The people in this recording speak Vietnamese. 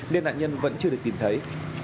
nên nạn nhân vẫn chưa được tìm thấy